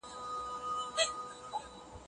دا کتاب د څيړني لپاره ډېر مهم بلل کېږي.